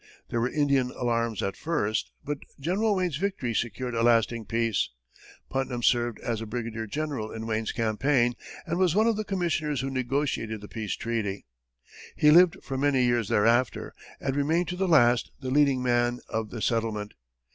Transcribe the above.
There were Indian alarms at first, but General Wayne's victory secured a lasting peace. Putnam served as a brigadier general in Wayne's campaign, and was one of the commissioners who negotiated the peace treaty. He lived for many years thereafter, and remained to the last the leading man of the settlement.